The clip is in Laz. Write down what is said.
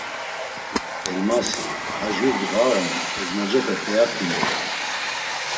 Elmasi, ar jur ndğa on ezmocepe p̌eat̆i miğun.